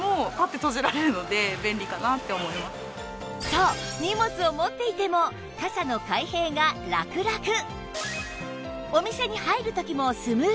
そう荷物を持っていても傘の開閉がラクラク！